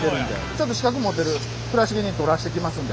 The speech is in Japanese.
ちょっと資格持ってる蔵重に撮らせてきますんで。